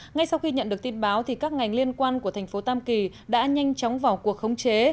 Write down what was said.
ngay sau khi nhận được tin báo các ngành liên quan của thành phố tam kỳ đã nhanh chóng vào cuộc khống chế